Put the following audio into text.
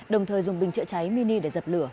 đồng thời dùng bình chữa cháy mini để dập lửa